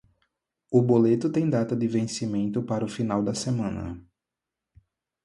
O boleto tem data de vencimento para o final da semana